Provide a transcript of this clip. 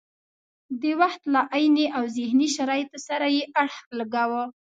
د وخت له عیني او ذهني شرایطو سره یې اړخ لګاوه.